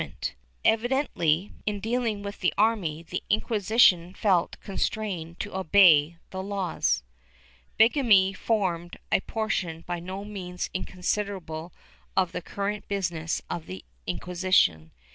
XIV] NUMBER OF CASES 327 ment/ Evidently, in dealing with the' army, the Inquisition felt constrained to obey the laws. Bigamy formed a portion by no means inconsiderable of the current business of the Inquisition.